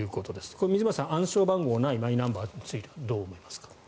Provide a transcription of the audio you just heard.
これ、水町さん、暗証番号がないマイナンバーについてはどう思いますか？